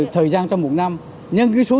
thời gian trong một năm nhân cái số